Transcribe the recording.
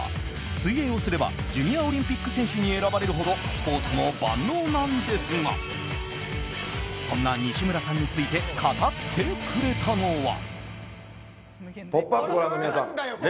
水泳をすればジュニアオリンピック選手に選ばれるほどスポーツも万能なんですがそんな西村さんについて語ってくれたのは。